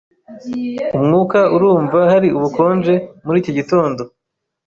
Umwuka urumva hari ubukonje muri iki gitondo.